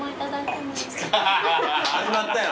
始まったよ。